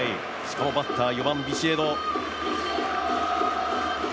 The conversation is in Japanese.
バッター、４番・ビシエド。